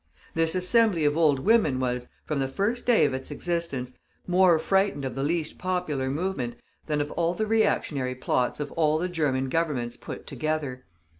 THIS Assembly of old women was, from the first day of its existence, more frightened of the least popular movement than of all the reactionary plots of all the German Governments put together.